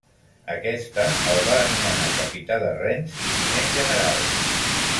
Aquesta el va anomenar capità de Rennes i tinent general.